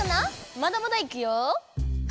まだまだいくよ。